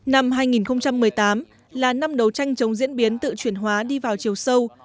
năm hai nghìn một mươi tám là năm đấu tranh chống diễn biến tự chuyển hóa đi vào chiều sâu